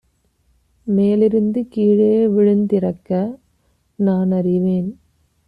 மேலிருந்து கீழே விழுந்திறக்க நானறிவேன்.